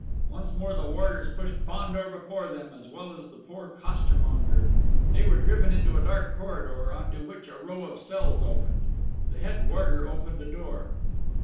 Once more the warders pushed Fandor before them, as well as the poor costermonger: they were driven into a dark corridor on to which a row of cells opened. The head warder opened a door.